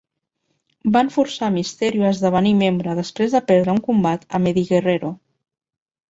Van forçar Mysterio a esdevenir membre després de perdre un combat amb Eddie Guerrero.